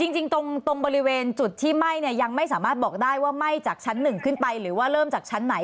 จริงตรงบริเวณจุดที่ไหม้เนี่ยยังไม่สามารถบอกได้ว่าไหม้จากชั้น๑ขึ้นไปหรือว่าเริ่มจากชั้นไหน